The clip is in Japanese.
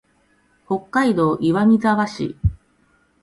北海道岩見沢市